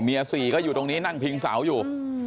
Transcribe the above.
เมียสี่ก็อยู่ตรงนี้นั่งพิงเสาอยู่